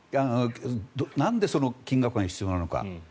なんでその金額が必要なのか。